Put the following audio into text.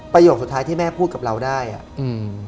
ประโยคสุดท้ายที่แม่พูดกับเราได้อะ